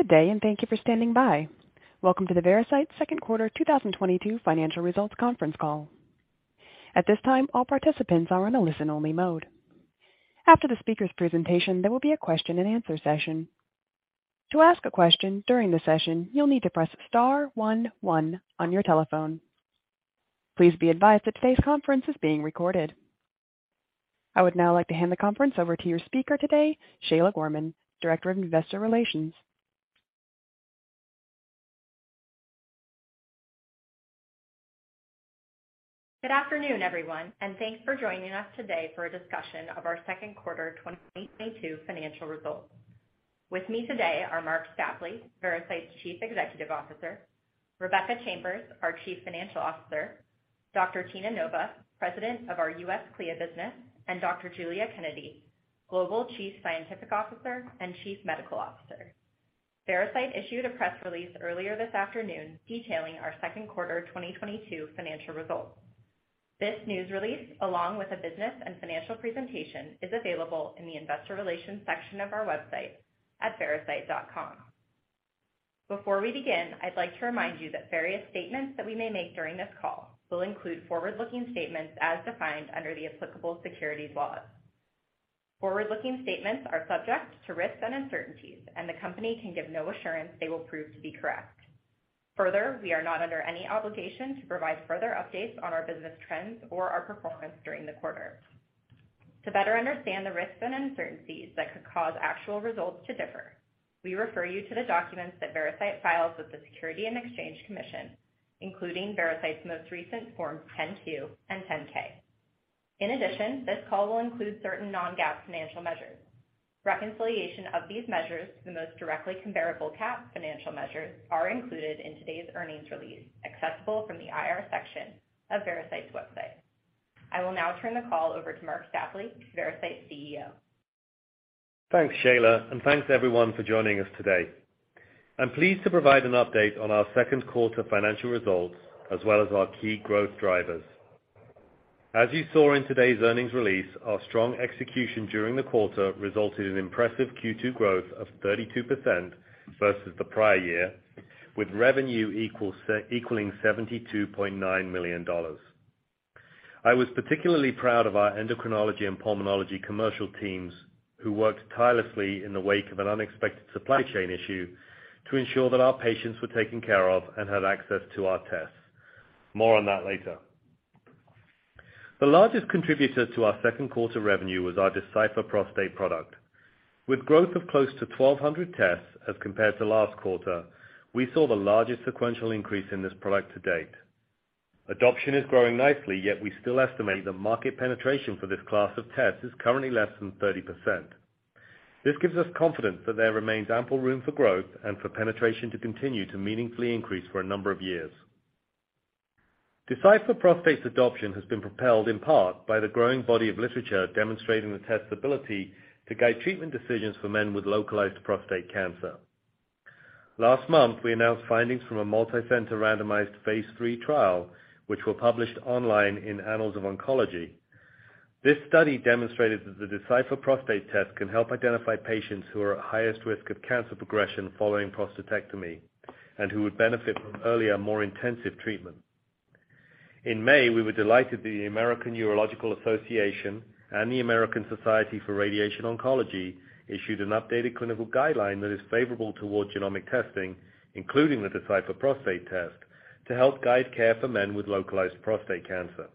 Good day, and thank you for standing by. Welcome to the Veracyte Second Quarter 2022 Financial Results Conference Call. At this time, all participants are in a listen-only mode. After the speaker's presentation, there will be a question-and-answer session. To ask a question during the session, you'll need to press star one one on your telephone. Please be advised that today's conference is being recorded. I would now like to hand the conference over to your speaker today, Shayla Gorman, Director of Investor Relations. Good afternoon, everyone, and thanks for joining us today for a discussion of our second quarter 2022 financial results. With me today are Marc Stapley, Veracyte's Chief Executive Officer, Rebecca Chambers, our Chief Financial Officer, Dr. Tina Nova, President of our U.S. CLIA business, and Dr. Giulia Kennedy, Global Chief Scientific Officer and Chief Medical Officer. Veracyte issued a press release earlier this afternoon detailing our second quarter 2022 financial results. This news release, along with a business and financial presentation, is available in the investor relations section of our website at veracyte.com. Before we begin, I'd like to remind you that various statements that we may make during this call will include forward-looking statements as defined under the applicable securities laws. Forward-looking statements are subject to risks and uncertainties, and the company can give no assurance they will prove to be correct. Further, we are not under any obligation to provide further updates on our business trends or our performance during the quarter. To better understand the risks and uncertainties that could cause actual results to differ, we refer you to the documents that Veracyte files with the Securities and Exchange Commission, including Veracyte's most recent Forms 10-Q and 10-K. In addition, this call will include certain non-GAAP financial measures. Reconciliation of these measures to the most directly comparable GAAP financial measures are included in today's earnings release, accessible from the IR section of Veracyte's website. I will now turn the call over to Marc Stapley, Veracyte's CEO. Thanks, Shayla, and thanks everyone for joining us today. I'm pleased to provide an update on our second quarter financial results as well as our key growth drivers. As you saw in today's earnings release, our strong execution during the quarter resulted in impressive Q2 growth of 32% versus the prior year, with revenue equaling $72.9 million. I was particularly proud of our endocrinology and pulmonology commercial teams, who worked tirelessly in the wake of an unexpected supply chain issue to ensure that our patients were taken care of and had access to our tests. More on that later. The largest contributor to our second quarter revenue was our Decipher Prostate product. With growth of close to 1,200 tests as compared to last quarter, we saw the largest sequential increase in this product to date. Adoption is growing nicely, yet we still estimate the market penetration for this class of tests is currently less than 30%. This gives us confidence that there remains ample room for growth and for penetration to continue to meaningfully increase for a number of years. Decipher Prostate's adoption has been propelled in part by the growing body of literature demonstrating the test's ability to guide treatment decisions for men with localized prostate cancer. Last month, we announced findings from a multi-center randomized phase III trial, which were published online in Annals of Oncology. This study demonstrated that the Decipher Prostate test can help identify patients who are at highest risk of cancer progression following prostatectomy and who would benefit from earlier, more intensive treatment. In May, we were delighted that the American Urological Association and the American Society for Radiation Oncology issued an updated clinical guideline that is favorable towards genomic testing, including the Decipher Prostate test, to help guide care for men with localized prostate cancer.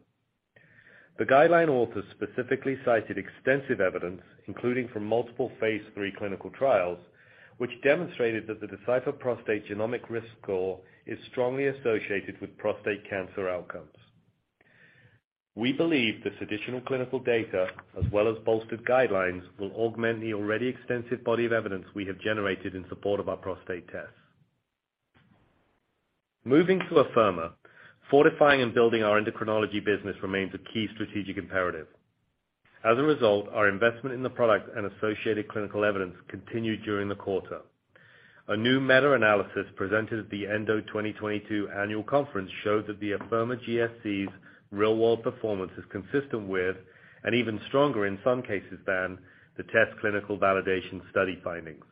The guideline authors specifically cited extensive evidence, including from multiple phase III clinical trials, which demonstrated that the Decipher Prostate genomic risk score is strongly associated with prostate cancer outcomes. We believe this additional clinical data, as well as bolstered guidelines, will augment the already extensive body of evidence we have generated in support of our prostate tests. Moving to Afirma, fortifying and building our endocrinology business remains a key strategic imperative. As a result, our investment in the product and associated clinical evidence continued during the quarter. A new meta-analysis presented at the ENDO 2022 annual conference showed that the Afirma GSC's real-world performance is consistent with, and even stronger in some cases than, the test clinical validation study findings.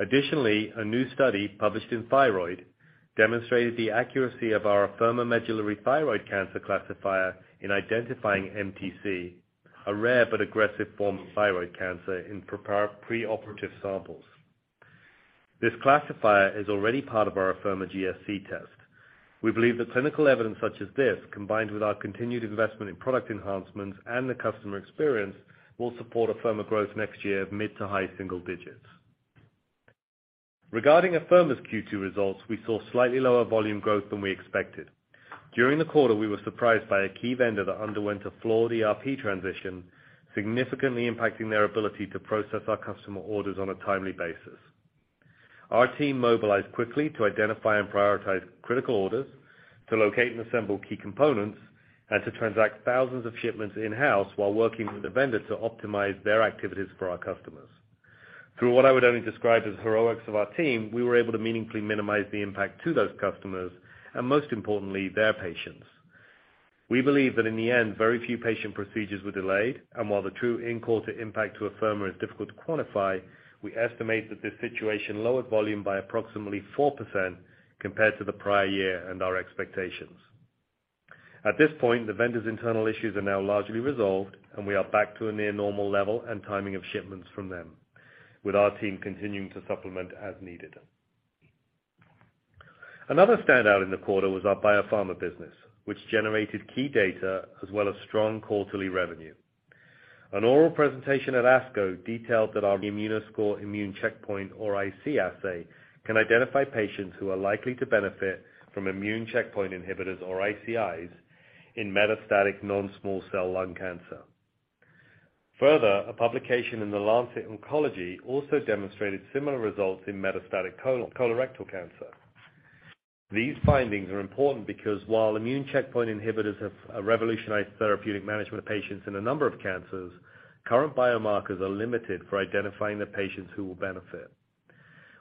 A new study published in Thyroid demonstrated the accuracy of our Afirma Medullary Thyroid Cancer Classifier in identifying MTC, a rare but aggressive form of thyroid cancer, in pre-operative samples. This classifier is already part of our Afirma GSC test. We believe that clinical evidence such as this, combined with our continued investment in product enhancements and the customer experience, will support Afirma growth next year of mid- to high-single-digit %. Regarding Afirma's Q2 results, we saw slightly lower volume growth than we expected. During the quarter, we were surprised by a key vendor that underwent a flawed ERP transition, significantly impacting their ability to process our customer orders on a timely basis. Our team mobilized quickly to identify and prioritize critical orders, to locate and assemble key components, and to transact thousands of shipments in-house while working with the vendor to optimize their activities for our customers. Through what I would only describe as heroics of our team, we were able to meaningfully minimize the impact to those customers and, most importantly, their patients. We believe that in the end, very few patient procedures were delayed, and while the true in-quarter impact to Afirma is difficult to quantify, we estimate that this situation lowered volume by approximately 4% compared to the prior year and our expectations. At this point, the vendor's internal issues are now largely resolved, and we are back to a near normal level and timing of shipments from them, with our team continuing to supplement as needed. Another standout in the quarter was our biopharma business, which generated key data as well as strong quarterly revenue. An oral presentation at ASCO detailed that our Immunoscore immune checkpoint or IC assay can identify patients who are likely to benefit from immune checkpoint inhibitors or ICIs in metastatic non-small cell lung cancer. Further, a publication in The Lancet Oncology also demonstrated similar results in metastatic colorectal cancer. These findings are important because while immune checkpoint inhibitors have revolutionized therapeutic management of patients in a number of cancers, current biomarkers are limited for identifying the patients who will benefit.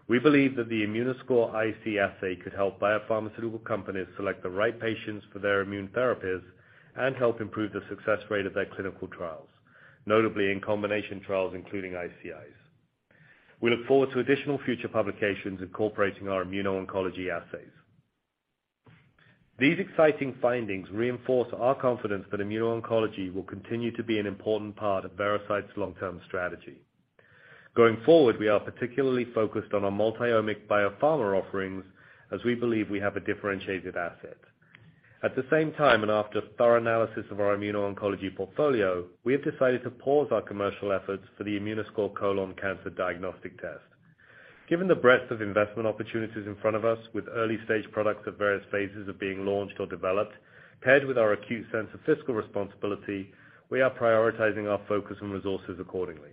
We believe that the Immunoscore IC assay could help biopharmaceutical companies select the right patients for their immune therapies and help improve the success rate of their clinical trials, notably in combination trials including ICIs. We look forward to additional future publications incorporating our immuno-oncology assays. These exciting findings reinforce our confidence that immuno-oncology will continue to be an important part of Veracyte's long-term strategy. Going forward, we are particularly focused on our multiomic biopharma offerings as we believe we have a differentiated asset. At the same time, and after thorough analysis of our immuno-oncology portfolio, we have decided to pause our commercial efforts for the Immunoscore Colon Cancer test. Given the breadth of investment opportunities in front of us with early-stage products at various phases of being launched or developed, paired with our acute sense of fiscal responsibility, we are prioritizing our focus and resources accordingly.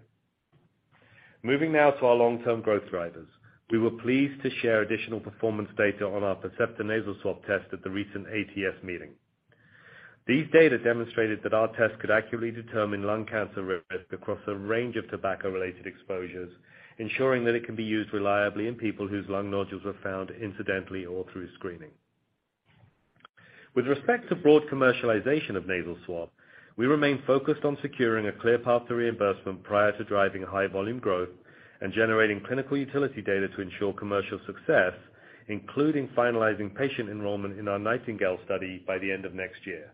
Moving now to our long-term growth drivers. We were pleased to share additional performance data on our Percepta Nasal Swab test at the recent ATS meeting. These data demonstrated that our test could accurately determine lung cancer risk across a range of tobacco-related exposures, ensuring that it can be used reliably in people whose lung nodules were found incidentally or through screening. With respect to broad commercialization of Percepta Nasal Swab, we remain focused on securing a clear path to reimbursement prior to driving high volume growth and generating clinical utility data to ensure commercial success, including finalizing patient enrollment in our Nightingale study by the end of next year.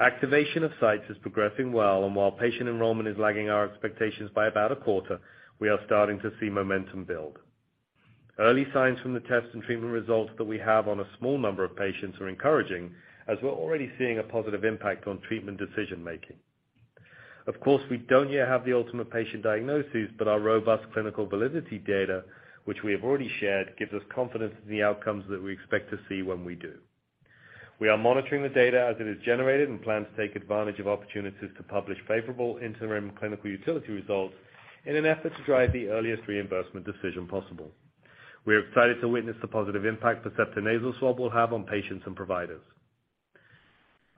Activation of sites is progressing well, and while patient enrollment is lagging our expectations by about a quarter, we are starting to see momentum build. Early signs from the test and treatment results that we have on a small number of patients are encouraging, as we're already seeing a positive impact on treatment decision-making. Of course, we don't yet have the ultimate patient diagnoses, but our robust clinical validity data, which we have already shared, gives us confidence in the outcomes that we expect to see when we do. We are monitoring the data as it is generated and plan to take advantage of opportunities to publish favorable interim clinical utility results in an effort to drive the earliest reimbursement decision possible. We are excited to witness the positive impact Percepta Nasal Swab will have on patients and providers.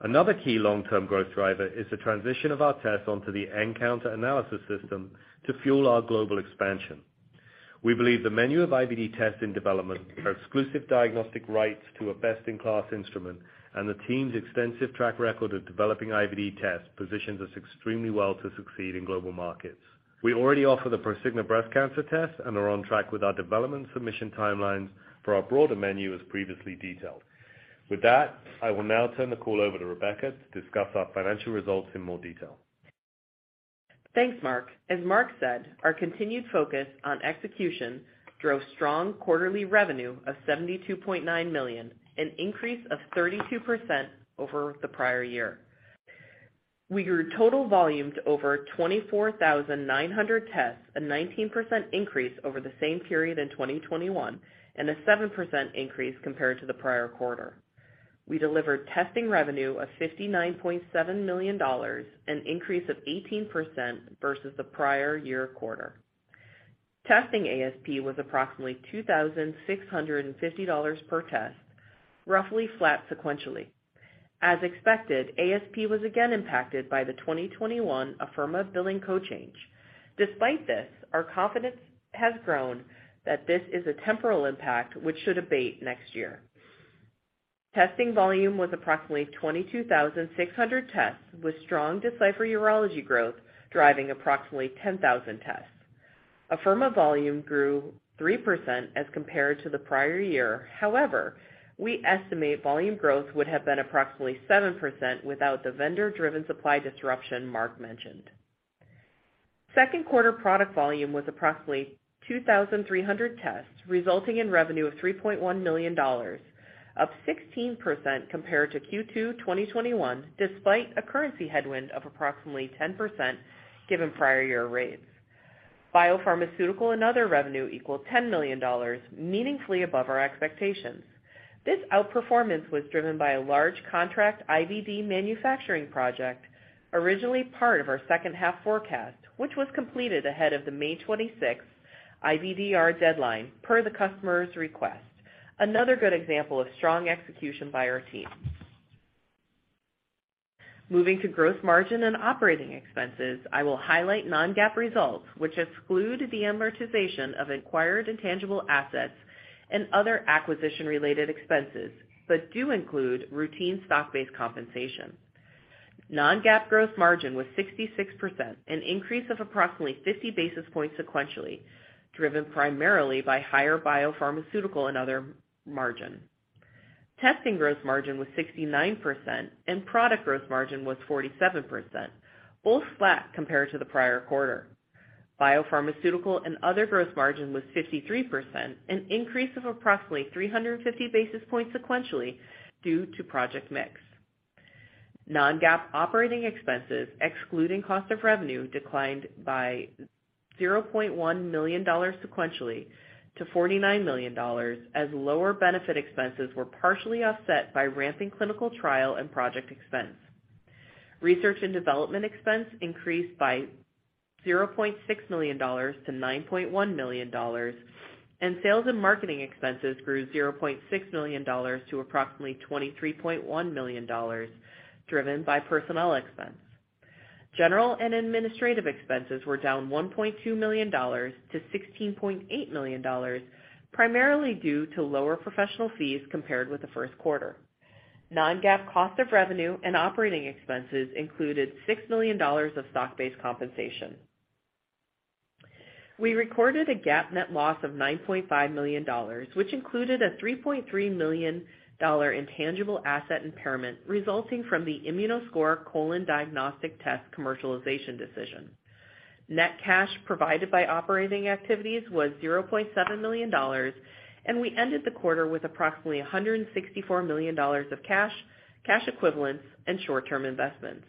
Another key long-term growth driver is the transition of our tests onto the nCounter analysis system to fuel our global expansion. We believe the menu of IVD tests in development, our exclusive diagnostic rights to a best-in-class instrument, and the team's extensive track record of developing IVD tests positions us extremely well to succeed in global markets. We already offer the Prosigna breast cancer test and are on track with our development submission timelines for our broader menu as previously detailed. With that, I will now turn the call over to Rebecca to discuss our financial results in more detail. Thanks, Marc. As Marc said, our continued focus on execution drove strong quarterly revenue of $72.9 million, an increase of 32% over the prior year. We grew total volume to over 24,900 tests, a 19% increase over the same period in 2021, and a 7% increase compared to the prior quarter. We delivered testing revenue of $59.7 million, an increase of 18% versus the prior year quarter. Testing ASP was approximately $2,650 per test, roughly flat sequentially. As expected, ASP was again impacted by the 2021 Afirma billing code change. Despite this, our confidence has grown that this is a temporal impact which should abate next year. Testing volume was approximately 22,600 tests, with strong Decipher Urology growth driving approximately 10,000 tests. Afirma volume grew 3% as compared to the prior year. However, we estimate volume growth would have been approximately 7% without the vendor-driven supply disruption Marc Stapley mentioned. Second quarter product volume was approximately 2,300 tests, resulting in revenue of $3.1 million, up 16% compared to Q2 2021, despite a currency headwind of approximately 10% given prior year rates. Biopharmaceutical and other revenue equaled $10 million, meaningfully above our expectations. This outperformance was driven by a large contract IVD manufacturing project, originally part of our second half forecast, which was completed ahead of the May 26th IVDR deadline per the customer's request. Another good example of strong execution by our team. Moving to gross margin and operating expenses, I will highlight non-GAAP results, which exclude the amortization of acquired intangible assets and other acquisition-related expenses, but do include routine stock-based compensation. Non-GAAP gross margin was 66%, an increase of approximately 50 basis points sequentially, driven primarily by higher biopharmaceutical and other margin. Testing gross margin was 69% and product gross margin was 47%, both flat compared to the prior quarter. Biopharmaceutical and other gross margin was 53%, an increase of approximately 350 basis points sequentially due to project mix. Non-GAAP operating expenses, excluding cost of revenue, declined by $0.1 million sequentially to $49 million as lower benefit expenses were partially offset by ramping clinical trial and project expense. Research and development expense increased by $0.6 million to $9.1 million, and sales and marketing expenses grew $0.6 million to approximately $23.1 million driven by personnel expense. General and administrative expenses were down $1.2 million to $16.8 million, primarily due to lower professional fees compared with the first quarter. Non-GAAP cost of revenue and operating expenses included $6 million of stock-based compensation. We recorded a GAAP net loss of $9.5 million, which included a $3.3 million intangible asset impairment resulting from the Immunoscore Colon Cancer test commercialization decision. Net cash provided by operating activities was $0.7 million, and we ended the quarter with approximately $164 million of cash equivalents, and short-term investments.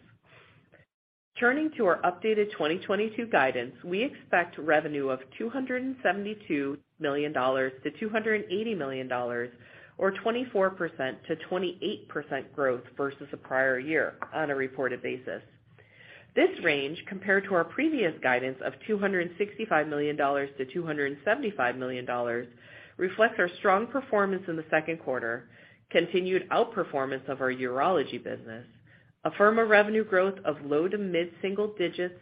Turning to our updated 2022 guidance, we expect revenue of $272 million-$280 million or 24%-28% growth versus the prior year on a reported basis. This range, compared to our previous guidance of $265 million-$275 million, reflects our strong performance in the second quarter, continued outperformance of our urology business, a firmer revenue growth of low to mid-single digits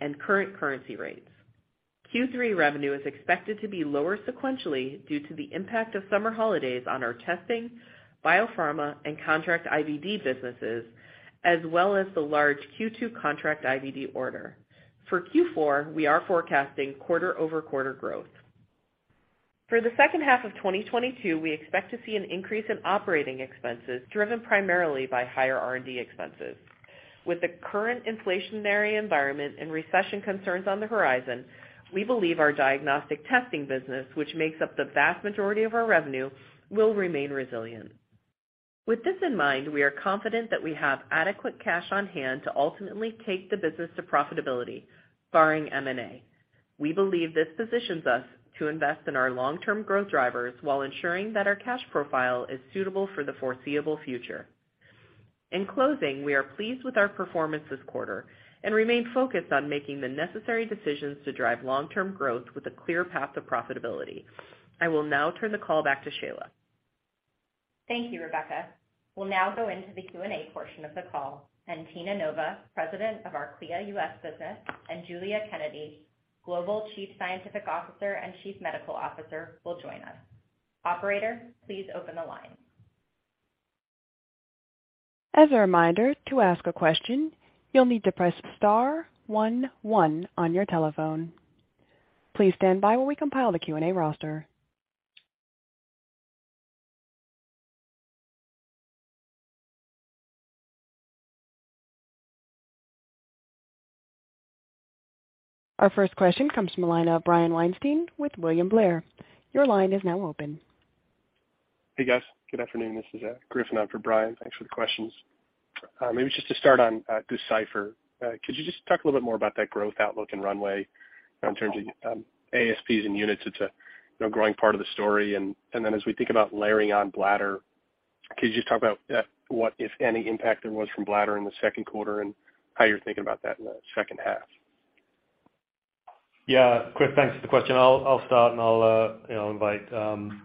and current currency rates. Q3 revenue is expected to be lower sequentially due to the impact of summer holidays on our testing, biopharma, and contract IVD businesses, as well as the large Q2 contract IVD order. For Q4, we are forecasting quarter-over-quarter growth. For the second half of 2022, we expect to see an increase in operating expenses driven primarily by higher R&D expenses. With the current inflationary environment and recession concerns on the horizon, we believe our diagnostic testing business, which makes up the vast majority of our revenue, will remain resilient. With this in mind, we are confident that we have adequate cash on hand to ultimately take the business to profitability, barring M&A. We believe this positions us to invest in our long-term growth drivers while ensuring that our cash profile is suitable for the foreseeable future. In closing, we are pleased with our performance this quarter and remain focused on making the necessary decisions to drive long-term growth with a clear path to profitability. I will now turn the call back to Shayla. Thank you, Rebecca. We'll now go into the Q&A portion of the call, and Tina Nova, President of our CLIA U.S. business, and Giulia Kennedy, Global Chief Scientific Officer and Chief Medical Officer, will join us. Operator, please open the line. As a reminder, to ask a question, you'll need to press star one one on your telephone. Please stand by while we compile the Q&A roster. Our first question comes from the line of Brian Weinstein with William Blair. Your line is now open. Hey, guys. Good afternoon. This is Griffin on for Brian. Thanks for the questions. Maybe just to start on Decipher. Could you just talk a little bit more about that growth outlook and runway in terms of ASPs and units? It's a you know growing part of the story. Then as we think about layering on bladder, could you just talk about what, if any, impact there was from bladder in the second quarter and how you're thinking about that in the second half? Yeah. Chris, thanks for the question. I'll start and you know, invite Tina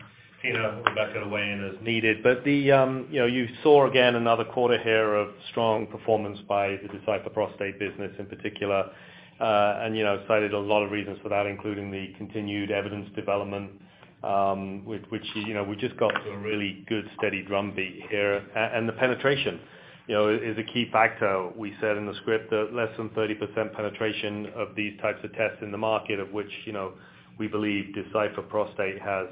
and Rebecca to weigh in as needed. You saw again another quarter here of strong performance by the Decipher Prostate business in particular. You know, we cited a lot of reasons for that, including the continued evidence development, which you know, we just got to a really good, steady drumbeat here. The penetration you know, is a key factor. We said in the script that less than 30% penetration of these types of tests in the market, of which you know, we believe Decipher Prostate has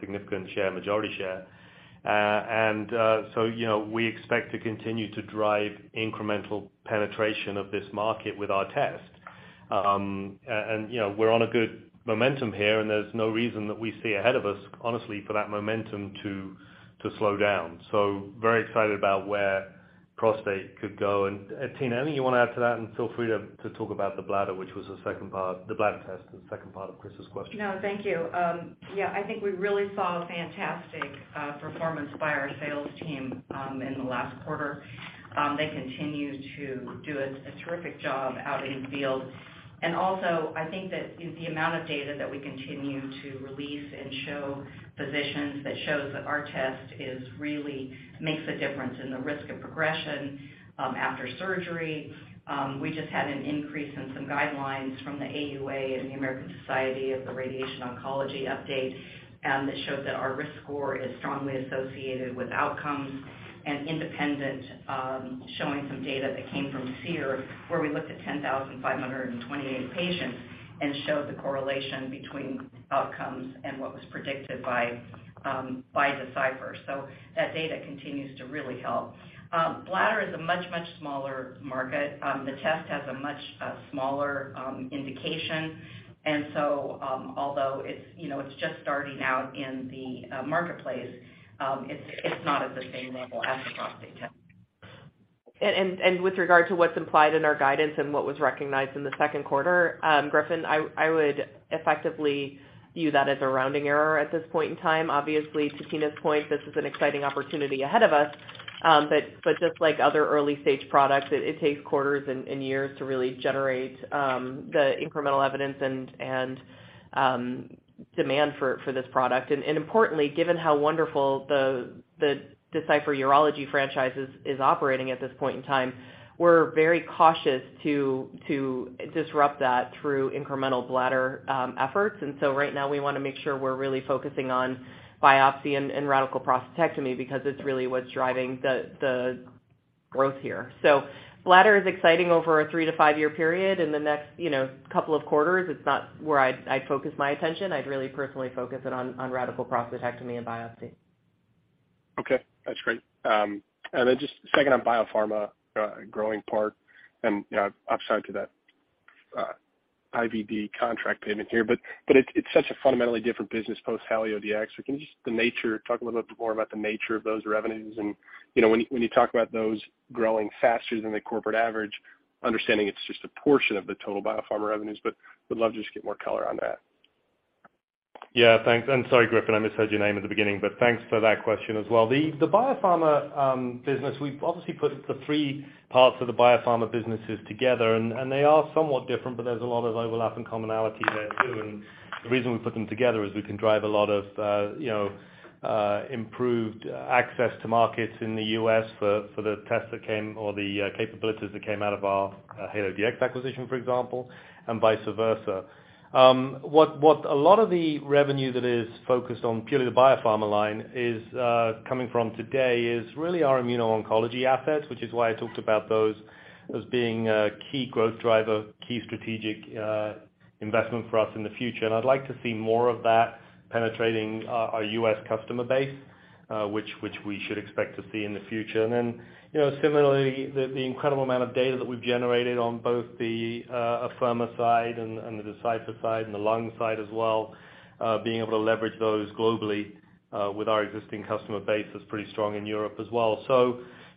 significant share, majority share. You know, we expect to continue to drive incremental penetration of this market with our test. You know, we're on a good momentum here, and there's no reason that we see ahead of us, honestly, for that momentum to. To slow down. Very excited about where prostate could go. Tina, anything you want to add to that? Feel free to talk about the bladder, which was the second part, the bladder test, the second part of Chris's question. No, thank you. Yeah, I think we really saw fantastic performance by our sales team in the last quarter. They continue to do a terrific job out in the field. I think that in the amount of data that we continue to release and show physicians, that shows that our test is really makes a difference in the risk of progression after surgery. We just had an increase in some guidelines from the AUA and the American Society for Radiation Oncology update that showed that our risk score is strongly associated with outcomes and independent, showing some data that came from SEER, where we looked at 10,528 patients and showed the correlation between outcomes and what was predicted by Decipher. That data continues to really help. Bladder is a much smaller market. The test has a much smaller indication. Although it's, you know, it's just starting out in the marketplace, it's not at the same level as the prostate test. With regard to what's implied in our guidance and what was recognized in the second quarter, Griffin, I would effectively view that as a rounding error at this point in time. Obviously, to Tina's point, this is an exciting opportunity ahead of us. Just like other early-stage products, it takes quarters and years to really generate the incremental evidence and demand for this product. Importantly, given how wonderful the Decipher Urology franchise is operating at this point in time, we're very cautious to disrupt that through incremental bladder efforts. Right now we wanna make sure we're really focusing on biopsy and radical prostatectomy because it's really what's driving the growth here. Bladder is exciting over a 3-5-year period. In the next, you know, couple of quarters, it's not where I'd focus my attention. I'd really personally focus it on radical prostatectomy and biopsy. Okay, that's great. Then just second on biopharma, growing part and, you know, upside to that, IVD contract payment here, but it's such a fundamentally different business post HalioDx. Can you just talk a little bit more about the nature of those revenues? You know, when you talk about those growing faster than the corporate average, understanding it's just a portion of the total biopharma revenues, but would love to just get more color on that. Yeah, thanks. Sorry, Griffin, I misheard your name at the beginning. Thanks for that question as well. The biopharma business, we've obviously put the three parts of the biopharma businesses together, and they are somewhat different, but there's a lot of overlap and commonality there too. The reason we put them together is we can drive a lot of you know improved access to markets in the U.S. for the tests that came or the capabilities that came out of our HalioDx acquisition, for example, and vice versa. What a lot of the revenue that is focused on purely the biopharma line is coming from today is really our immuno-oncology assets, which is why I talked about those as being a key growth driver, key strategic investment for us in the future. I'd like to see more of that penetrating our U.S. customer base, which we should expect to see in the future. You know, similarly, the incredible amount of data that we've generated on both the Afirma side and the Decipher side and the lung side as well, being able to leverage those globally with our existing customer base is pretty strong in Europe as well.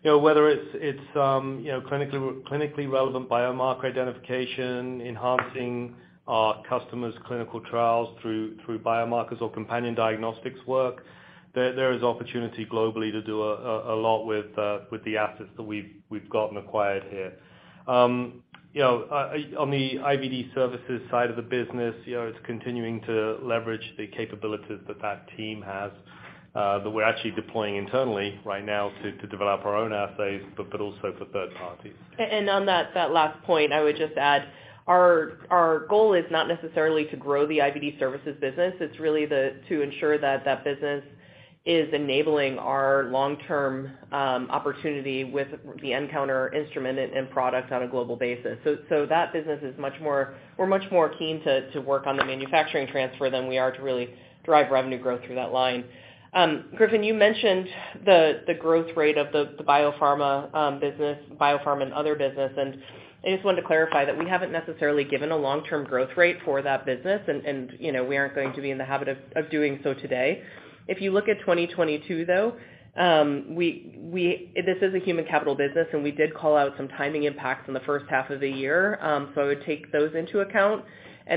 You know, whether it's clinically relevant biomarker identification, enhancing our customers' clinical trials through biomarkers or companion diagnostics work, there is opportunity globally to do a lot with the assets that we've got and acquired here. You know, on the IVD services side of the business, you know, it's continuing to leverage the capabilities that team has that we're actually deploying internally right now to develop our own assays, but also for third parties. On that last point, I would just add our goal is not necessarily to grow the IVD services business. It's really to ensure that business is enabling our long-term opportunity with the nCounter instrument and product on a global basis. That business is much more, we're much more keen to work on the manufacturing transfer than we are to really drive revenue growth through that line. Griffin, you mentioned the growth rate of the biopharma and other business. I just wanted to clarify that we haven't necessarily given a long-term growth rate for that business. You know, we aren't going to be in the habit of doing so today. If you look at 2022, though, we, this is a human capital business, and we did call out some timing impacts in the first half of the year. I would take those into account.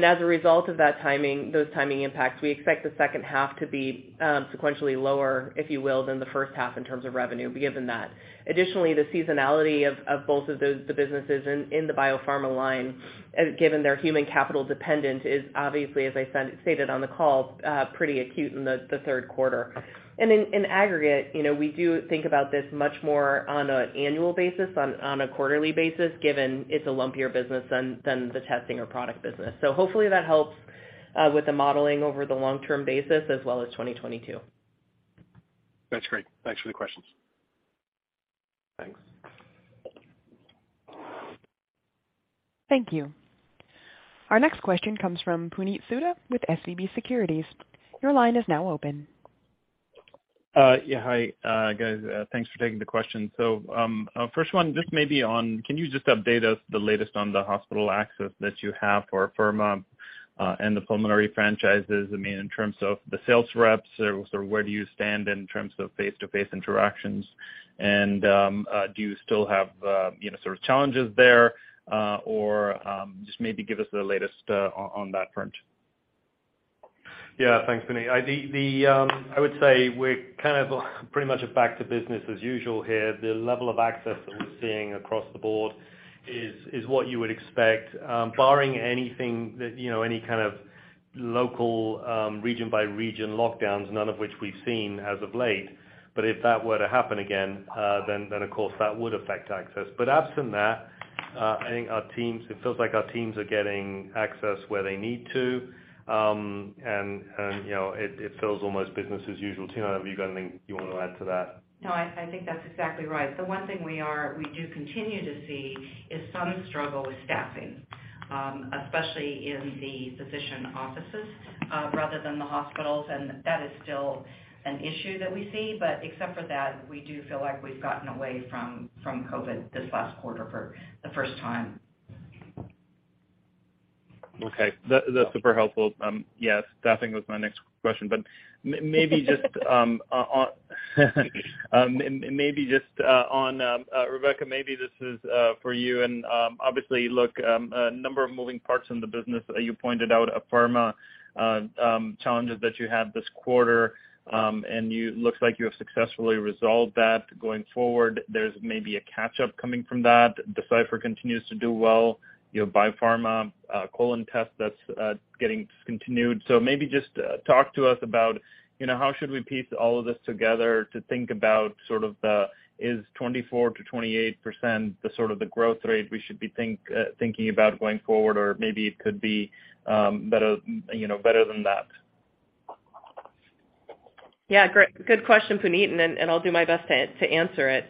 As a result of that timing, those timing impacts, we expect the second half to be sequentially lower, if you will, than the first half in terms of revenue given that. Additionally, the seasonality of both of those, the businesses in the biopharma line, given their human capital dependent, is obviously, as I said, stated on the call, pretty acute in the third quarter. In aggregate, you know, we do think about this much more on an annual basis on a quarterly basis, given it's a lumpier business than the testing or product business. Hopefully that helps with the modeling over the long-term basis as well as 2022. That's great. Thanks for the questions. Thanks. Thank you. Our next question comes from Puneet Souda with SVB Securities. Your line is now open. Yeah, hi, guys. Thanks for taking the questions. First one, just maybe on, can you just update us the latest on the hospital access that you have for Afirma, and the pulmonary franchises? I mean, in terms of the sales reps or where do you stand in terms of face-to-face interactions? Do you still have, you know, sort of challenges there, or, just maybe give us the latest on that front. Yeah. Thanks, Puneet. I would say we're kind of pretty much back to business as usual here. The level of access that we're seeing across the board is what you would expect, barring anything that, you know, any kind of local, region-by-region lockdowns, none of which we've seen as of late. If that were to happen again, then of course, that would affect access. Absent that, I think our teams, it feels like our teams are getting access where they need to. And, you know, it feels almost business as usual. Tina, have you got anything you wanna add to that? No, I think that's exactly right. The one thing we do continue to see is some struggle with staffing, especially in the physician offices, rather than the hospitals, and that is still an issue that we see. Except for that, we do feel like we've gotten away from COVID this last quarter for the first time. That's super helpful. Yes, staffing was my next question. Maybe just on Rebecca, maybe this is for you and obviously, look, a number of moving parts in the business. You pointed out Afirma challenges that you had this quarter, and looks like you have successfully resolved that going forward. There's maybe a catch-up coming from that. Decipher continues to do well. You know, BioPharma colon test that's getting discontinued. Maybe just talk to us about, you know, how should we piece all of this together to think about sort of the 24%-28% the sort of growth rate we should be thinking about going forward? Or maybe it could be better, you know, better than that. Yeah. Great. Good question, Puneet. I'll do my best to answer it.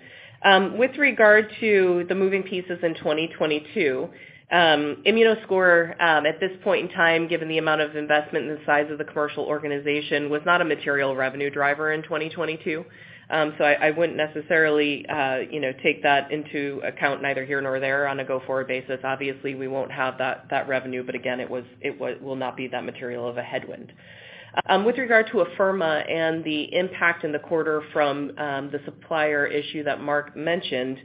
With regard to the moving pieces in 2022, Immunoscore, at this point in time, given the amount of investment and the size of the commercial organization, was not a material revenue driver in 2022. I wouldn't necessarily, you know, take that into account neither here nor there on a go-forward basis. Obviously, we won't have that revenue, but again, it will not be that material of a headwind. With regard to Afirma and the impact in the quarter from the supplier issue that Mark mentioned,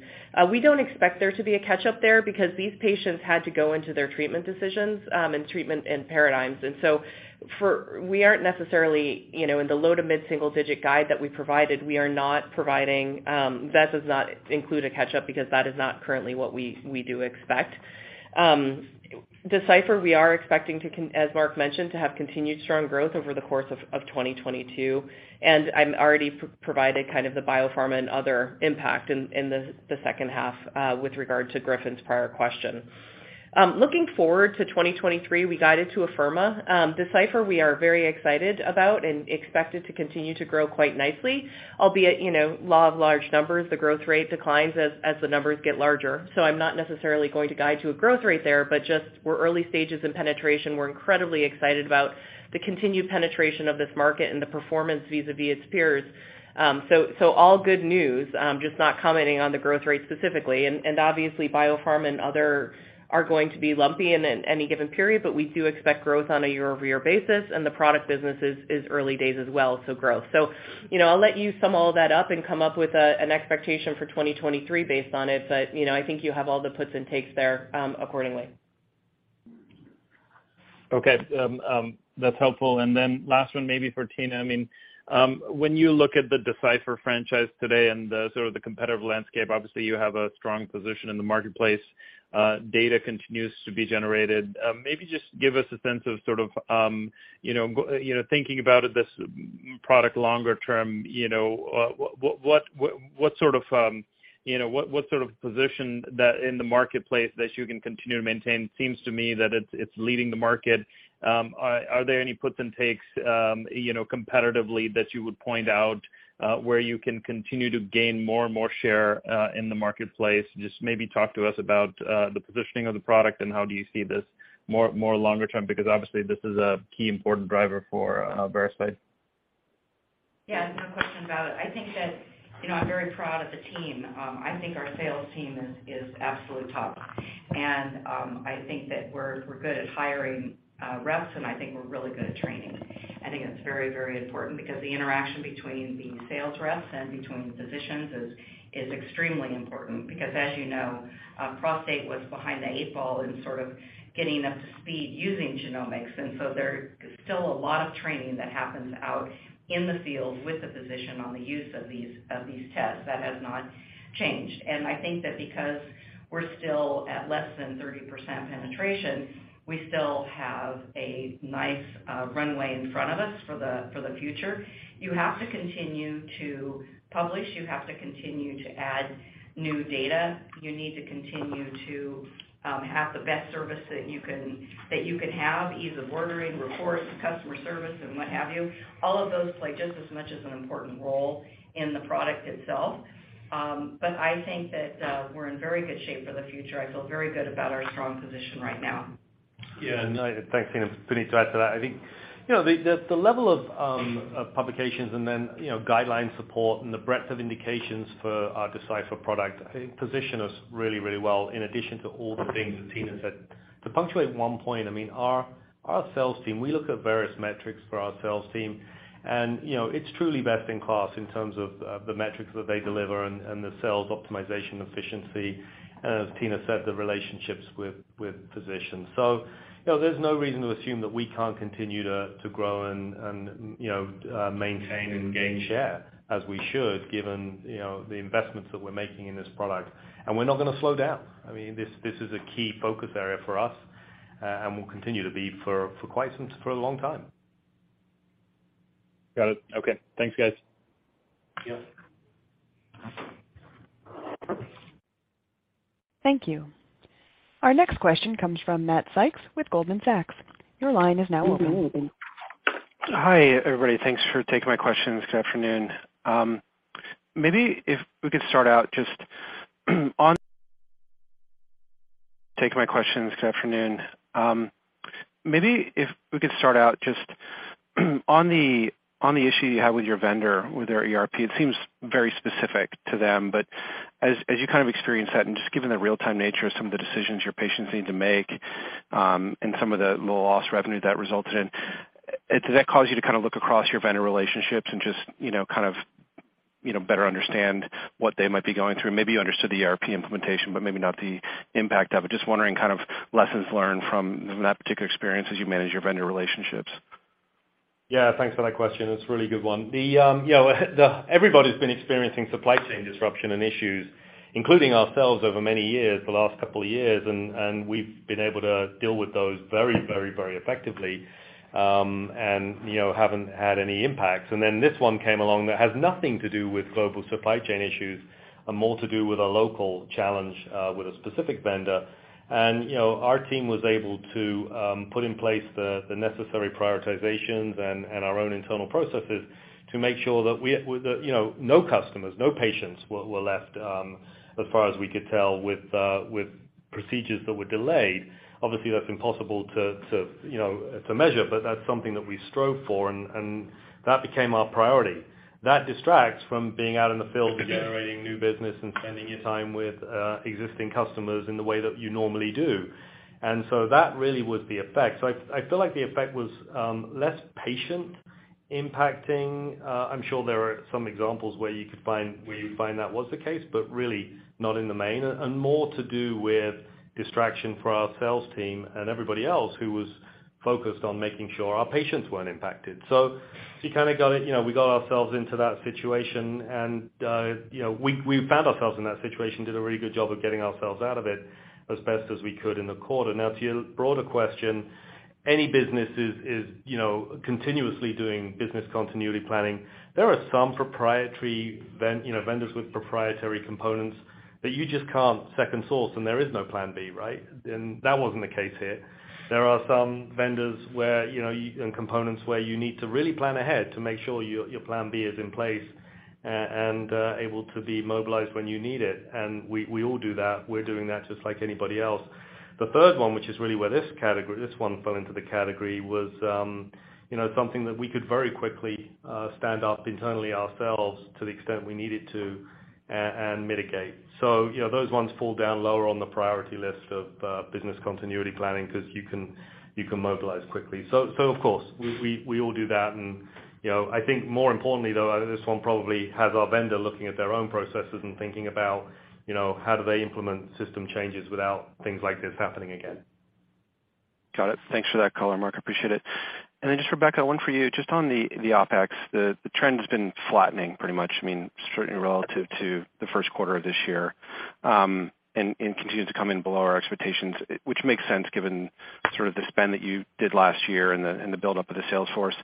we don't expect there to be a catch-up there because these patients had to go into their treatment decisions, and treatment and paradigms. We aren't necessarily, you know, in the low- to mid-single digit guide that we provided. We are not providing that does not include a catch-up because that is not currently what we do expect. Decipher, we are expecting to as Marc Stapley mentioned, to have continued strong growth over the course of 2022. I'm already provided kind of the BioPharma and other impact in the second half with regard to Griffin's prior question. Looking forward to 2023, we guided to Afirma. Decipher, we are very excited about and expect it to continue to grow quite nicely, albeit, you know, law of large numbers, the growth rate declines as the numbers get larger. I'm not necessarily going to guide to a growth rate there, but just we're early stages in penetration. We're incredibly excited about the continued penetration of this market and the performance vis-à-vis its peers. All good news, just not commenting on the growth rate specifically. Obviously BioPharma and other are going to be lumpy in any given period, but we do expect growth on a year-over-year basis, and the product business is early days as well, so growth. You know, I'll let you sum all that up and come up with an expectation for 2023 based on it. You know, I think you have all the puts and takes there, accordingly. Okay. That's helpful. Then last one maybe for Tina. I mean, when you look at the Decipher franchise today and the sort of competitive landscape, obviously you have a strong position in the marketplace, data continues to be generated. Maybe just give us a sense of sort of, you know, thinking about it, this product longer term, you know, what sort of position that in the marketplace that you can continue to maintain. Seems to me that it's leading the market. Are there any puts and takes, you know, competitively that you would point out, where you can continue to gain more and more share in the marketplace? Just maybe talk to us about the positioning of the product and how do you see this more longer term, because obviously this is a key important driver for Veracyte. Yeah, no question about it. I think that, you know, I'm very proud of the team. I think our sales team is absolutely top. I think that we're good at hiring reps, and I think we're really good at training. I think it's very important because the interaction between the sales reps and between physicians is extremely important because as you know, prostate was behind the eight ball in sort of getting up to speed using genomics. There's still a lot of training that happens out in the field with the physician on the use of these tests. That has not changed. I think that because we're still at less than 30% penetration, we still have a nice runway in front of us for the future. You have to continue to publish. You have to continue to add new data. You need to continue to have the best service that you can have, ease of ordering, reports, customer service, and what have you. All of those play just as much as an important role in the product itself. I think that we're in very good shape for the future. I feel very good about our strong position right now. Yeah, no, thanks, Tina. To add to that, I think, you know, the level of publications and then, you know, guideline support and the breadth of indications for our Decipher product, I think position us really, really well in addition to all the things that Tina said. To punctuate one point, I mean, our sales team, we look at various metrics for our sales team and, you know, it's truly best in class in terms of the metrics that they deliver and the sales optimization efficiency, and as Tina said, the relationships with physicians. So, you know, there's no reason to assume that we can't continue to grow and maintain and gain share as we should given, you know, the investments that we're making in this product. We're not gonna slow down. I mean, this is a key focus area for us and will continue to be for a long time. Got it. Okay. Thanks, guys. Yep. Thank you. Our next question comes from Matt Sykes with Goldman Sachs. Your line is now open. Hi, everybody. Thanks for taking my questions. Good afternoon. Maybe if we could start out just on the issue you had with your vendor, with their ERP. It seems very specific to them, but as you kind of experienced that and just given the real-time nature of some of the decisions your patients need to make, and some of the lost revenue that resulted in, did that cause you to kind of look across your vendor relationships and just, you know, kind of, you know, better understand what they might be going through? Maybe you understood the ERP implementation, but maybe not the impact of it. Just wondering kind of lessons learned from that particular experience as you manage your vendor relationships. Yeah. Thanks for that question. It's a really good one. You know, everybody's been experiencing supply chain disruption and issues, including ourselves over many years, the last couple of years, and we've been able to deal with those very effectively, and you know, haven't had any impacts. Then this one came along that has nothing to do with global supply chain issues and more to do with a local challenge with a specific vendor. You know, our team was able to put in place the necessary prioritizations and our own internal processes to make sure that with the, you know, no customers, no patients were left as far as we could tell with procedures that were delayed. Obviously, that's impossible to you know to measure, but that's something that we strove for, and that became our priority. That distracts from being out in the field generating new business and spending your time with existing customers in the way that you normally do. That really was the effect. I feel like the effect was less patient impacting. I'm sure there are some examples where you find that was the case, but really not in the main and more to do with distraction for our sales team and everybody else who was focused on making sure our patients weren't impacted. We kind of got ourselves into that situation and, you know, we found ourselves in that situation, did a really good job of getting ourselves out of it as best as we could in the quarter. Now to your broader question, any business is, you know, continuously doing business continuity planning. There are some proprietary vendors with proprietary components that you just can't second source, and there is no plan B, right? That wasn't the case here. There are some vendors where, you know, and components where you need to really plan ahead to make sure your plan B is in place, and able to be mobilized when you need it. We all do that. We're doing that just like anybody else. The third one, which is really where this category, this one fell into the category was, you know, something that we could very quickly stand up internally ourselves to the extent we needed to and mitigate. You know, those ones fall down lower on the priority list of business continuity planning 'cause you can mobilize quickly. Of course, we all do that. You know, I think more importantly, though, this one probably has our vendor looking at their own processes and thinking about, you know, how do they implement system changes without things like this happening again. Got it. Thanks for that color, Marc Stapley. Appreciate it. Just Rebecca Chambers, one for you. Just on the OpEx, the trend's been flattening pretty much. I mean, certainly relative to the first quarter of this year, and continues to come in below our expectations, which makes sense given sort of the spend that you did last year and the buildup of the sales force.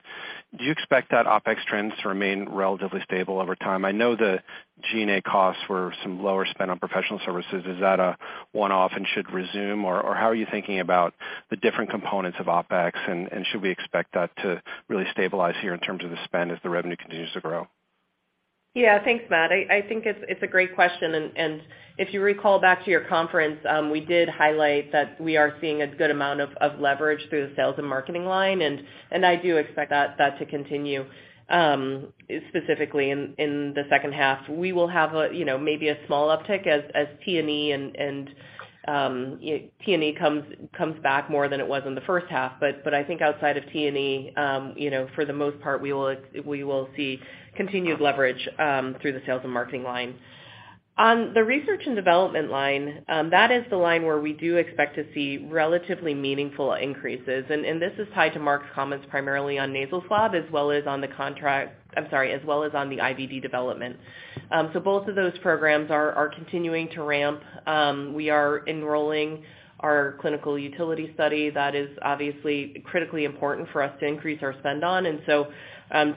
Do you expect that OpEx trends to remain relatively stable over time? I know the G&A costs were some lower spend on professional services. Is that a one-off and should resume, or how are you thinking about the different components of OpEx? Should we expect that to really stabilize here in terms of the spend as the revenue continues to grow? Yeah. Thanks, Matt. I think it's a great question. If you recall back to your conference, we did highlight that we are seeing a good amount of leverage through the sales and marketing line, and I do expect that to continue, specifically in the second half. We will have, you know, maybe a small uptick as T&E comes back more than it was in the first half. I think outside of T&E, you know, for the most part, we will see continued leverage through the sales and marketing line. On the research and development line, that is the line where we do expect to see relatively meaningful increases. This is tied to Marc's comments primarily on nasal swab as well as on the contract. I'm sorry, as well as on the IVD development. Both of those programs are continuing to ramp. We are enrolling our clinical utility study that is obviously critically important for us to increase our spend on. To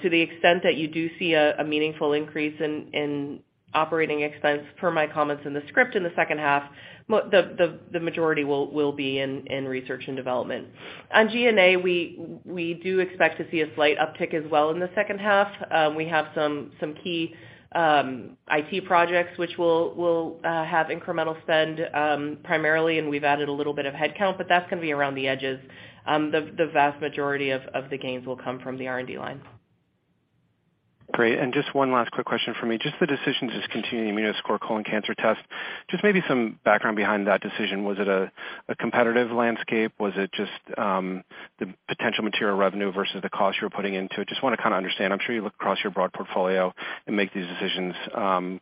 the extent that you do see a meaningful increase in operating expense, per my comments in the script in the second half, the majority will be in research and development. On G&A, we do expect to see a slight uptick as well in the second half. We have some key IT projects which will have incremental spend, primarily, and we've added a little bit of headcount, but that's gonna be around the edges. The vast majority of the gains will come from the R&D line. Great. Just one last quick question for me. Just the decision to discontinue Immunoscore Colon Cancer test, just maybe some background behind that decision. Was it a competitive landscape? Was it just the potential material revenue versus the cost you were putting into it? Just wanna kinda understand. I'm sure you look across your broad portfolio and make these decisions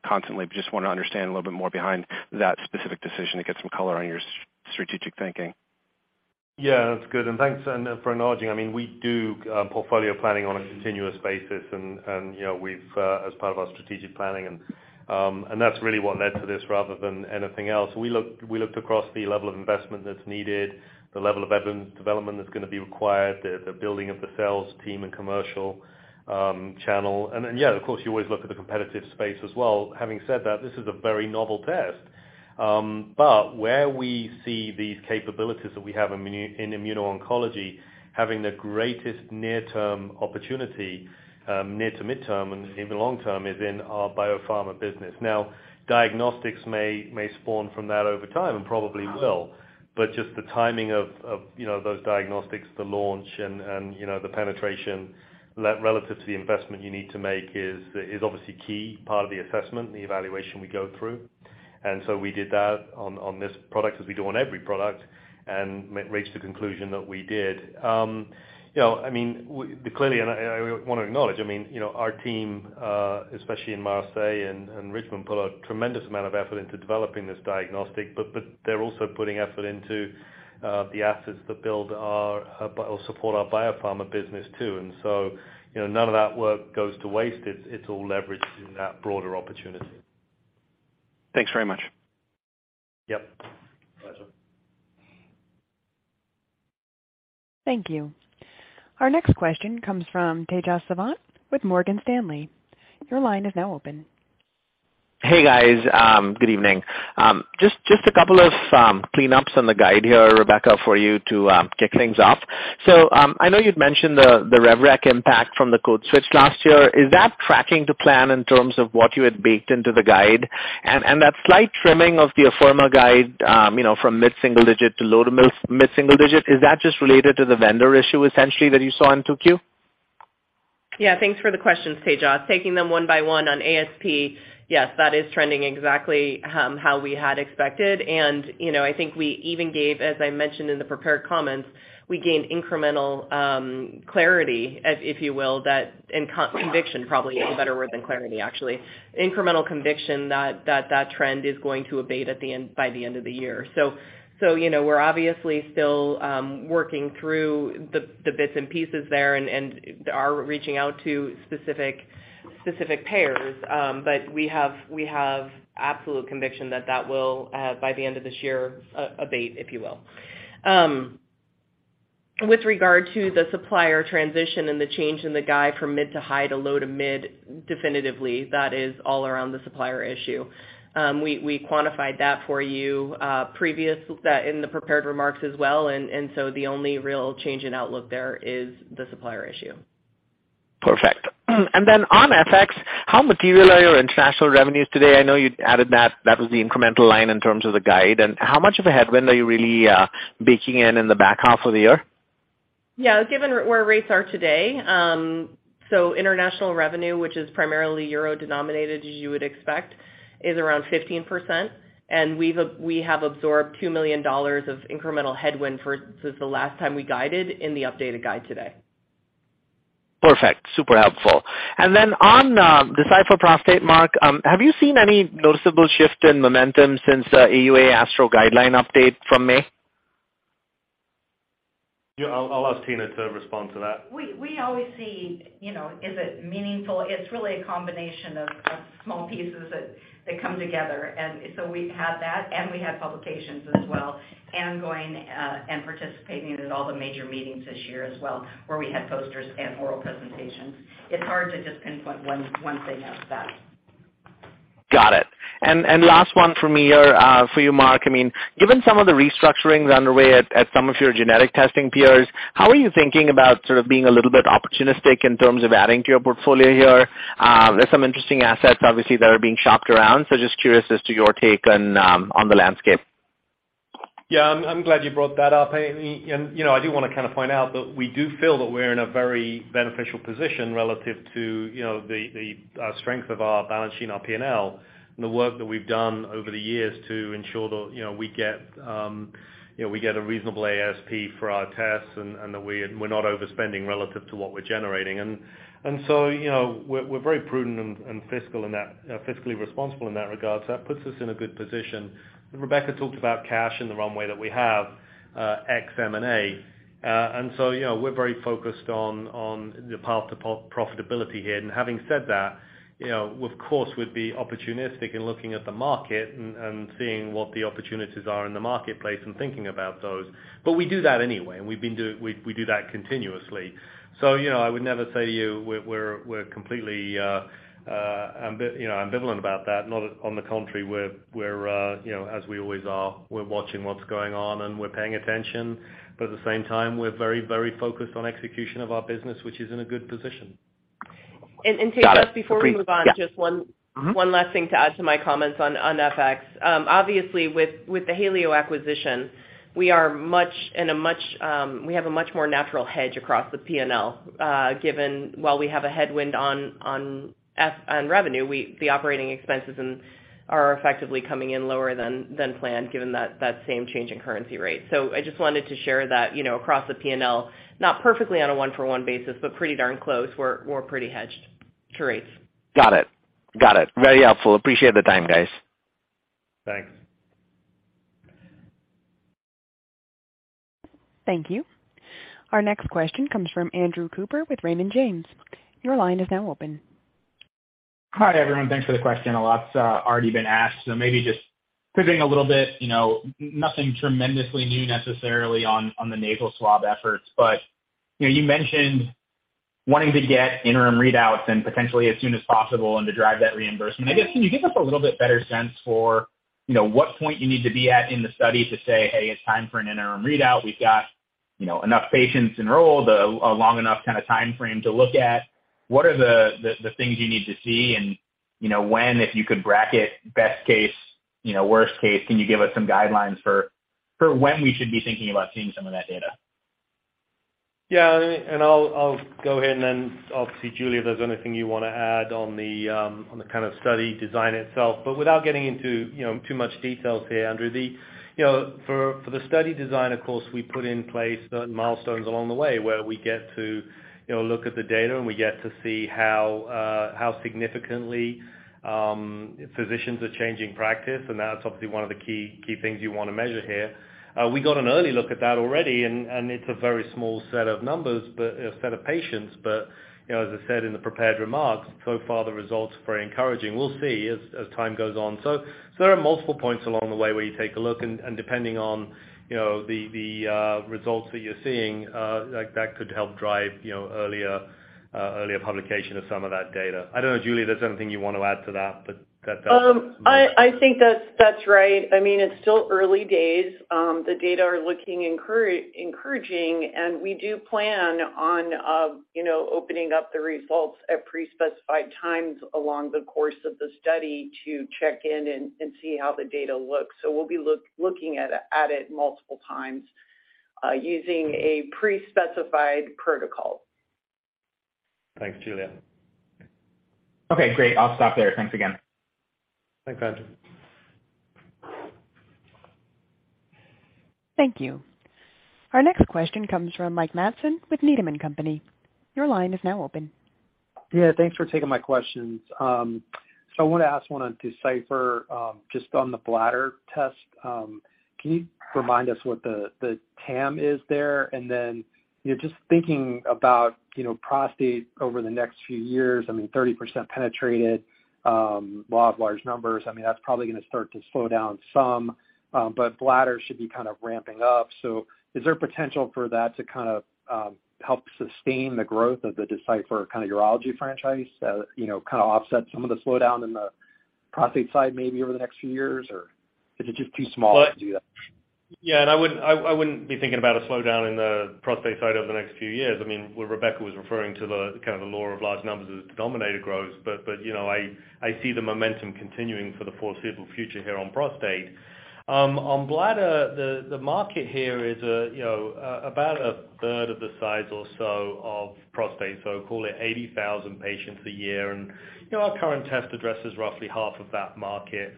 constantly, but just wanna understand a little bit more behind that specific decision to get some color on your strategic thinking. Yeah, that's good. Thanks for acknowledging. I mean, we do portfolio planning on a continuous basis, and you know, we've as part of our strategic planning and that's really what led to this rather than anything else. We looked across the level of investment that's needed, the level of development that's gonna be required, the building of the sales team and commercial channel. Then, yeah, of course, you always look at the competitive space as well. Having said that, this is a very novel test. But where we see these capabilities that we have in immuno-oncology, having the greatest near-term opportunity, near to mid-term and even long-term is in our biopharma business. Now diagnostics may spawn from that over time, and probably will. Just the timing of, you know, those diagnostics, the launch and, you know, the penetration relative to the investment you need to make is obviously key part of the assessment and the evaluation we go through. We did that on this product as we do on every product and reached the conclusion that we did. You know, I mean, clearly, I wanna acknowledge, I mean, you know, our team, especially in Marseille and Richmond, put a tremendous amount of effort into developing this diagnostic, but they're also putting effort into the assets that build our, or support our biopharma business too. You know, none of that work goes to waste. It's all leveraged in that broader opportunity. Thanks very much. Yep. Pleasure. Thank you. Our next question comes from Tejas Savant with Morgan Stanley. Your line is now open. Hey, guys, good evening. Just a couple of cleanups on the guide here, Rebecca, for you to kick things off. I know you'd mentioned the RevRec impact from the code switch last year. Is that tracking to plan in terms of what you had baked into the guide? That slight trimming of the Afirma guide, you know, from mid-single digit to low to mid-single digit, is that just related to the vendor issue essentially that you saw in 2Q? Yeah, thanks for the questions, Tejas. Taking them one by one on ASP, yes, that is trending exactly how we had expected. You know, I think we even gave, as I mentioned in the prepared comments, we gained incremental clarity, if you will, that conviction probably is a better word than clarity, actually. Incremental conviction that that trend is going to abate by the end of the year. You know, we're obviously still working through the bits and pieces there and are reaching out to specific payers. But we have absolute conviction that that will by the end of this year abate, if you will. With regard to the supplier transition and the change in the guide from mid to high to low to mid, definitively, that is all around the supplier issue. We quantified that for you previously in the prepared remarks as well. The only real change in outlook there is the supplier issue. Perfect. On FX, how material are your international revenues today? I know you added that was the incremental line in terms of the guide. How much of a headwind are you really baking in the back half of the year? Yeah. Given where rates are today, international revenue, which is primarily euro denominated, as you would expect, is around 15%. We have absorbed $2 million of incremental headwind since the last time we guided in the updated guide today. Perfect. Super helpful. On Decipher Prostate, Marc, have you seen any noticeable shift in momentum since the AUA/ASTRO guideline update from May? Yeah, I'll ask Tina to respond to that. We always see, you know, is it meaningful? It's really a combination of small pieces that come together. We have that, and we have publications as well and going and participating in all the major meetings this year as well, where we had posters and oral presentations. It's hard to just pinpoint one thing out of that. Got it. Last one from me here, for you, Marc Stapley. I mean, given some of the restructurings underway at some of your genetic testing peers, how are you thinking about sort of being a little bit opportunistic in terms of adding to your portfolio here? There's some interesting assets obviously that are being shopped around, so just curious as to your take on the landscape. Yeah. I'm glad you brought that up. You know, I do wanna kinda point out that we do feel that we're in a very beneficial position relative to you know the strength of our balance sheet and our P&L and the work that we've done over the years to ensure that you know we get a reasonable ASP for our tests and that we're not overspending relative to what we're generating. You know, we're very prudent and fiscal in that you know fiscally responsible in that regard, so that puts us in a good position. Rebecca talked about cash and the runway that we have ex M&A. You know, we're very focused on the path to profitability here. Having said that, you know, of course, we'd be opportunistic in looking at the market and seeing what the opportunities are in the marketplace and thinking about those. We do that anyway, and we do that continuously. You know, I would never say to you we're completely ambivalent about that. Not on the contrary, we're you know, as we always are, we're watching what's going on, and we're paying attention. At the same time, we're very, very focused on execution of our business, which is in a good position. Just before we move on, just one last thing to add to my comments on FX. Obviously with the HalioDx acquisition, we have a much more natural hedge across the P&L, given while we have a headwind on FX revenue, the operating expenses are effectively coming in lower than planned given that same change in currency rate. I just wanted to share that, you know, across the P&L, not perfectly on a one-for-one basis, but pretty darn close. We're pretty hedged to rates. Got it. Very helpful. Appreciate the time, guys. Thanks. Thank you. Our next question comes from Andrew Cooper with Raymond James. Your line is now open. Hi, everyone. Thanks for the question. A lot's already been asked, so maybe just pivoting a little bit, you know, nothing tremendously new necessarily on the nasal swab efforts. You know, you mentioned wanting to get interim readouts and potentially as soon as possible and to drive that reimbursement. I guess, can you give us a little bit better sense for, you know, what point you need to be at in the study to say, "Hey, it's time for an interim readout. We've got, you know, enough patients enrolled, a long enough kind of timeframe to look at." What are the things you need to see? You know, when, if you could bracket best case, you know, worst-case, can you give us some guidelines for when we should be thinking about seeing some of that data? Yeah. I'll go ahead and then obviously, Giulia, if there's anything you wanna add on the kind of study design itself. Without getting into, you know, too much details here, Andrew. You know, for the study design, of course, we put in place certain milestones along the way where we get to, you know, look at the data, and we get to see how significantly physicians are changing practice. That's obviously one of the key things you wanna measure here. We got an early look at that already and it's a very small set of numbers, but a set of patients. You know, as I said in the prepared remarks, so far the results are very encouraging. We'll see as time goes on. There are multiple points along the way where you take a look and, depending on, you know, the results that you're seeing, like that could help drive, you know, earlier publication of some of that data. I don't know, Giulia, if there's anything you want to add to that, but that does. I think that's right. I mean, it's still early days. The data are looking encouraging, and we do plan on you know, opening up the results at pre-specified times along the course of the study to check in and see how the data looks. We'll be looking at it multiple times using a pre-specified protocol. Thanks, Giulia. Okay, great. I'll stop there. Thanks again. Thanks, Andrew. Thank you. Our next question comes from Mike Matson with Needham & Company. Your line is now open. Yeah, thanks for taking my questions. So I wanna ask one on Decipher, just on the bladder test. Can you remind us what the TAM is there? And then, you know, just thinking about, you know, prostate over the next few years, I mean, 30% penetrated, law of large numbers. I mean, that's probably gonna start to slow down some, but bladder should be kind of ramping up. So is there potential for that to kind of help sustain the growth of the Decipher kind of urology franchise, you know, kind of offset some of the slowdown in the prostate side maybe over the next few years? Or is it just too small to do that? Yeah. I wouldn't be thinking about a slowdown in the prostate side over the next few years. I mean, what Rebecca was referring to the kind of the law of large numbers as the denominator grows. But you know, I see the momentum continuing for the foreseeable future here on prostate. On bladder, the market here is you know, about a third of the size or so of prostate, so call it 80,000 patients a year. You know, our current test addresses roughly half of that market.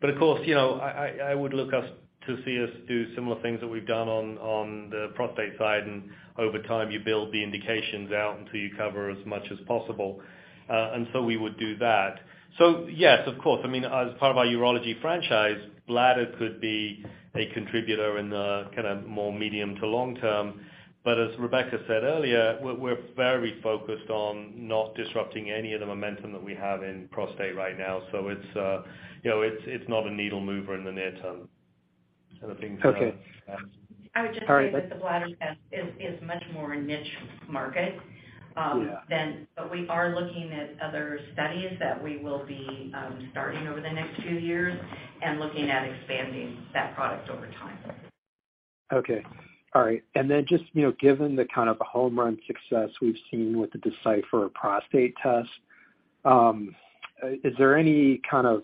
But of course, you know, I would look us to see us do similar things that we've done on the prostate side and over time you build the indications out until you cover as much as possible. We would do that. Yes, of course, I mean, as part of our urology franchise, bladder could be a contributor in the kinda more medium to long-term. As Rebecca said earlier, we're very focused on not disrupting any of the momentum that we have in prostate right now. It's, you know, it's not a needle mover in the near term sort of thing. Okay. I would just add that the bladder test is much more a niche market. Yeah. We are looking at other studies that we will be starting over the next two years and looking at expanding that product over time. Okay. All right. Just, you know, given the kind of home run success we've seen with the Decipher Prostate test, is there any kind of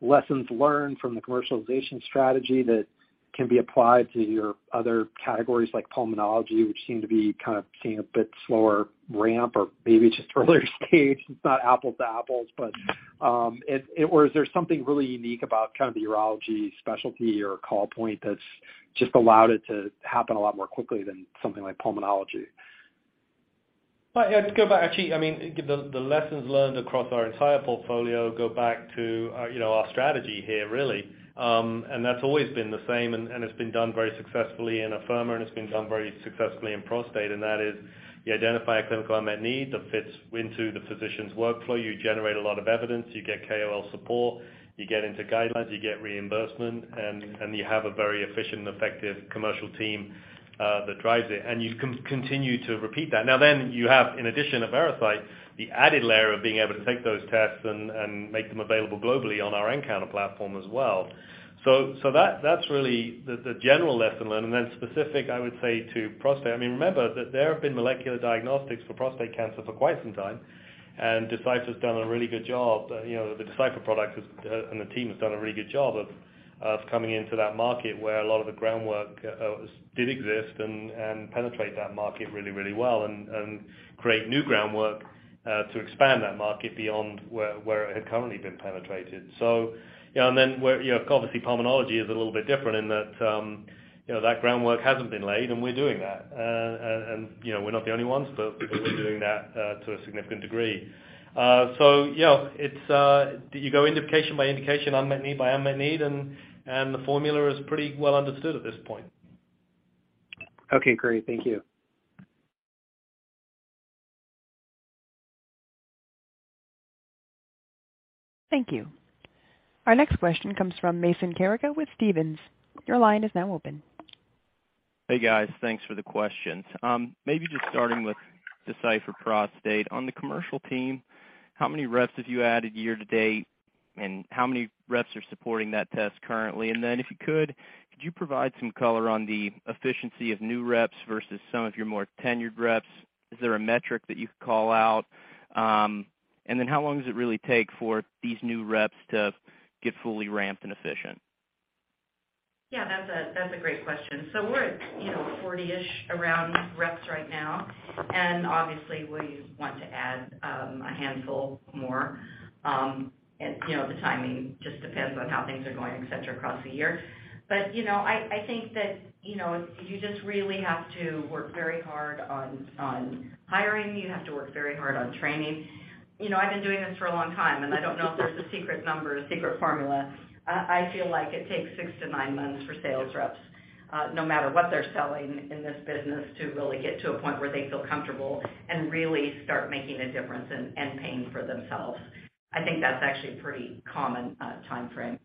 lessons learned from the commercialization strategy that can be applied to your other categories like pulmonology, which seem to be kind of seeing a bit slower ramp or maybe just earlier stage? It's not apples to apples. Or is there something really unique about kind of the urology specialty or call point that's just allowed it to happen a lot more quickly than something like pulmonology? Well, yeah, to go back actually, I mean, the lessons learned across our entire portfolio go back to, you know, our strategy here really. That's always been the same and it's been done very successfully in Afirma, and it's been done very successfully in prostate. That is you identify a clinical unmet need that fits into the physician's workflow. You generate a lot of evidence, you get KOL support, you get into guidelines, you get reimbursement, and you have a very efficient and effective commercial team that drives it. You continue to repeat that. Now then you have, in addition to Veracyte, the added layer of being able to take those tests and make them available globally on our nCounter platform as well. So that's really the general lesson learned. Specific, I would say to prostate, I mean, remember that there have been molecular diagnostics for prostate cancer for quite some time, and Decipher's done a really good job. You know, the Decipher product has, and the team has done a really good job of. Of coming into that market where a lot of the groundwork did exist and penetrate that market really well and create new groundwork to expand that market beyond where it had currently been penetrated. You know, and then where, you know, obviously, pulmonology is a little bit different in that, you know, that groundwork hasn't been laid, and we're doing that. You know, we're not the only ones, but we're doing that to a significant degree. Yeah, it's you go indication by indication, unmet need by unmet need, and the formula is pretty well understood at this point. Okay, great. Thank you. Thank you. Our next question comes from Mason Carrico with Stephens. Your line is now open. Hey, guys. Thanks for the questions. Maybe just starting with Decipher Prostate. On the commercial team, how many reps have you added year to date, and how many reps are supporting that test currently? If you could you provide some color on the efficiency of new reps versus some of your more tenured reps? Is there a metric that you could call out? How long does it really take for these new reps to get fully ramped and efficient? Yeah, that's a great question. So we're at, you know, 40-ish reps right now, and obviously we want to add a handful more. You know, the timing just depends on how things are going, et cetera, across the year. You know, I think that, you know, you just really have to work very hard on hiring. You have to work very hard on training. You know, I've been doing this for a long time, and I don't know if there's a secret number, a secret formula. I feel like it takes 6-9 months for sales reps, no matter what they're selling in this business, to really get to a point where they feel comfortable and really start making a difference and paying for themselves. I think that's actually a pretty common timeframe.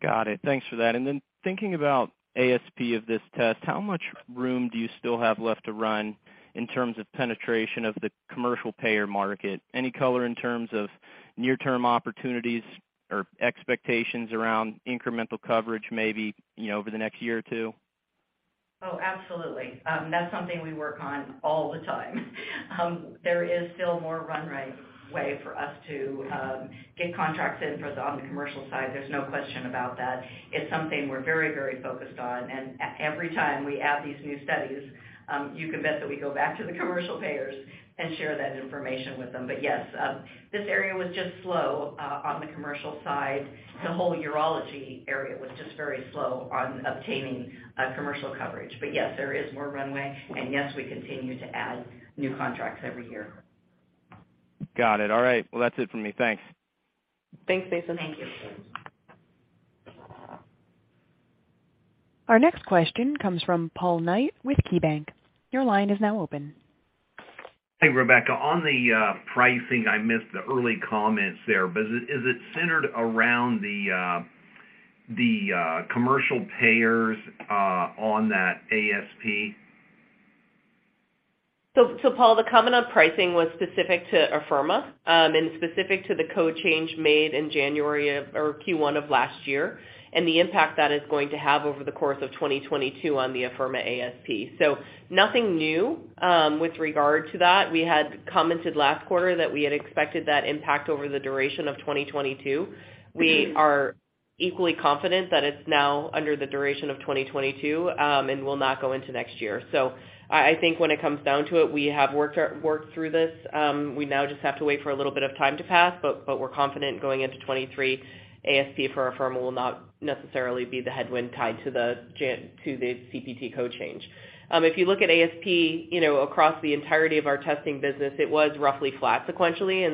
Got it. Thanks for that. Thinking about ASP of this test, how much room do you still have left to run in terms of penetration of the commercial payer market? Any color in terms of near-term opportunities or expectations around incremental coverage, maybe, you know, over the next year or two? Oh, absolutely. That's something we work on all the time. There is still more runway for us to get contracts in on the commercial side. There's no question about that. It's something we're very, very focused on, and every time we add these new studies, you can bet that we go back to the commercial payers and share that information with them. Yes, this area was just slow on the commercial side. The whole urology area was just very slow on obtaining commercial coverage. Yes, there is more runway, and we continue to add new contracts every year. Got it. All right. Well, that's it for me. Thanks. Thanks, Mason. Thank you. Our next question comes from Paul Knight with KeyBanc. Your line is now open. Hey, Rebecca. On the pricing, I missed the early comments there. Is it centered around the commercial payers on that ASP? Paul, the comment on pricing was specific to Afirma and specific to the code change made in January or Q1 of last year, and the impact that is going to have over the course of 2022 on the Afirma ASP. Nothing new with regard to that. We had commented last quarter that we had expected that impact over the duration of 2022. We are equally confident that it's now over the duration of 2022 and will not go into next year. I think when it comes down to it, we have worked through this. We now just have to wait for a little bit of time to pass, but we're confident going into 2023, ASP for Afirma will not necessarily be the headwind tied to the CPT code change. If you look at ASP, you know, across the entirety of our testing business, it was roughly flat sequentially.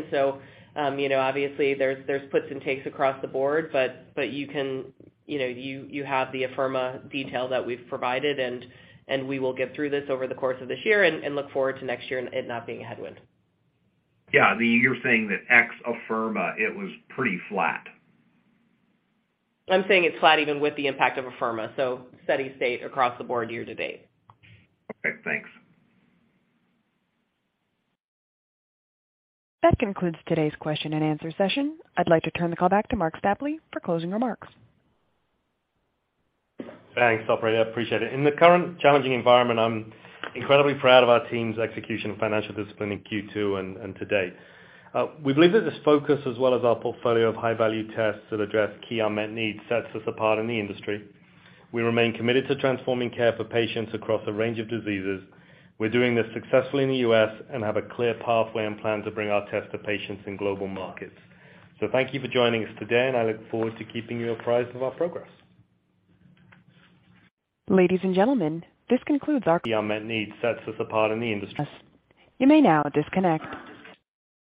Obviously there's puts and takes across the board. You can, you know, you have the Afirma detail that we've provided, and we will get through this over the course of this year and look forward to next year and it not being a headwind. Yeah. You're saying that ex Afirma, it was pretty flat. I'm saying it's flat even with the impact of Afirma, so steady state across the board year to date. Okay, thanks. That concludes today's question and answer session. I'd like to turn the call back to Marc Stapley for closing remarks. Thanks, operator. I appreciate it. In the current challenging environment, I'm incredibly proud of our team's execution and financial discipline in Q2 and to date. We believe that this focus, as well as our portfolio of high-value tests that address key unmet needs, sets us apart in the industry. We remain committed to transforming care for patients across a range of diseases. We're doing this successfully in the U.S. and have a clear pathway and plan to bring our test to patients in global markets. Thank you for joining us today, and I look forward to keeping you apprised of our progress. Ladies and gentlemen, this concludes our. The unmet needs sets us apart in the industry. You may now disconnect.